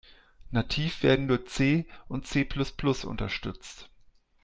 Nativ werden nur C und C-plus-plus unterstützt.